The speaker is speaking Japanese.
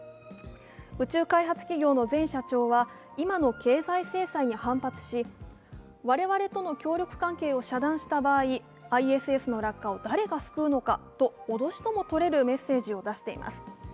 宇宙開発企業の前社長は、今の経済制裁に反発し我々との協力関係を遮断した場合、ＩＳＳの落下を誰が救うのかと脅しともとれるメッセージを出しています。